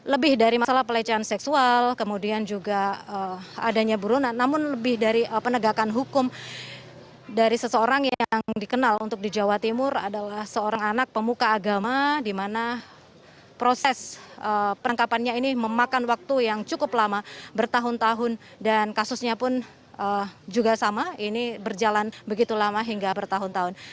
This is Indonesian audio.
lebih dari masalah pelecehan seksual kemudian juga adanya burunan namun lebih dari penegakan hukum dari seseorang yang dikenal untuk di jawa timur adalah seorang anak pemuka agama dimana proses penangkapannya ini memakan waktu yang cukup lama bertahun tahun dan kasusnya pun juga sama ini berjalan begitu lama hingga bertahun tahun